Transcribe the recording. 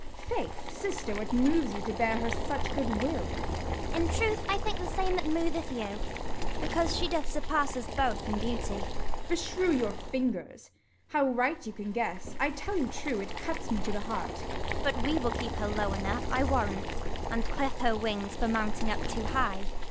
Gon. Faith, sister, what moves you to bear her such good will ? Ragan. In truth, I think, the same that moveth you ; Because she doth surpass us both in beauty. Gon. Beshrew your fingers, how right you can guess : 1 5 I tell you true, it cuts me to the heart. Ragan. But we will keep her low enough, I warrant, And clip her wings for mounting up too high.